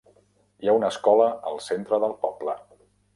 Hi ha una escola al centre del poble.